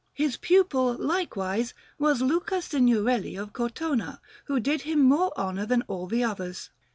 His pupil, likewise, was Luca Signorelli of Cortona, who did him more honour than all the others.